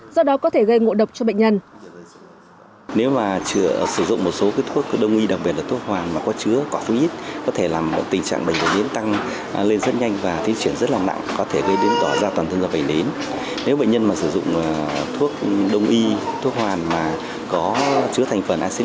do đó có thể gây ngộ độc cho bệnh nhân